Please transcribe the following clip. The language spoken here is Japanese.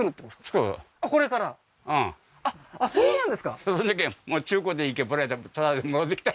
造るあっそうなんですか？